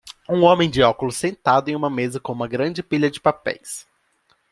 Um homem de óculos sentado em uma mesa com uma grande pilha de papéis.